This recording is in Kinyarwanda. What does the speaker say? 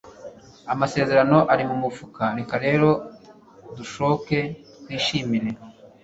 amasezerano ari mumufuka, reka rero dusohoke twishimire